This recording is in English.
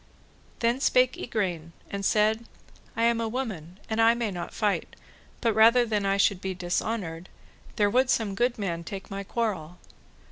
Then spake Igraine and said, I am a woman and I may not fight, but rather than I should be dishonoured, there would some good man take my quarrel.